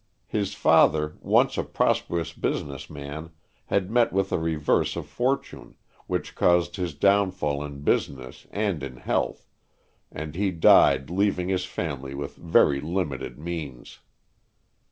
His father, once a prosperous business man, had met with a reverse of fortune, which caused his downfall in business and in health, and he died leaving his family with very limited means.